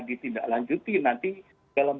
ditindaklanjuti nanti dalam